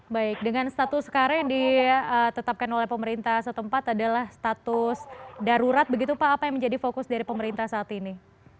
baik dengan status sekarang yang ditetapkan oleh pemerintah setempat adalah status darurat begitu pak apa yang menjadi fokus dari pemerintah saat ini